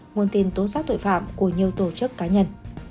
nguồn tin tố giác tội phạm của nhiều tổ chức cá nhân